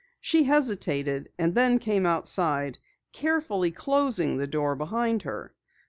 She hesitated, and then came outside, carefully closing the door behind her.